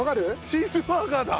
チーズバーガーだ！